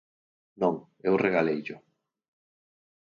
Non, eu regaleillo.